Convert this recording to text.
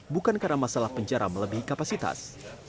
bukan karena masalah penjara melebihi kapasitas